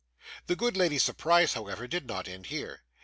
The good lady's surprise, however, did not end here.